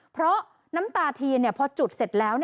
เพราะน้ำตาเทียนพอจุดเสร็จแล้ว